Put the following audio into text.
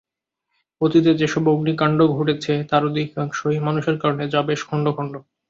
অতীতে যে সব অগ্নিকাণ্ড ঘটেছে তার অধিকাংশই মানুষের কারণে যা বেশ খণ্ড খণ্ড।